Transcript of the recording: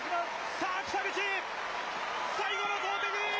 さあ北口、最後の投てき。